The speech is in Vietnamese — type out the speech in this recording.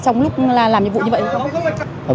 cũng lúc làm nhiệm vụ như vậy cũng không